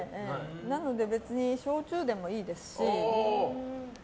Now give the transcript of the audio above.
なので、別に焼酎でもいいですし。